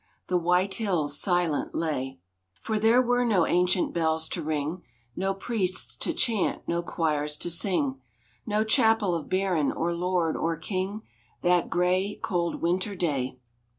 The white hills silent lay, For there were no ancient bells to ring, No priests to chant, no choirs to sing, No chapel of baron, or lord, or king, That gray, cold winter day.